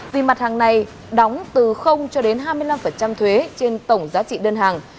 vì mặt hàng này đóng từ cho đến hai mươi năm thuế trên tổng giá trị đơn hàng